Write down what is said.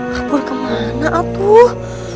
kabur kemana atuh